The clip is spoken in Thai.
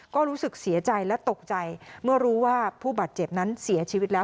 ก็รู้สึกเสียใจและตกใจเมื่อรู้ว่าผู้บาดเจ็บนั้นเสียชีวิตแล้ว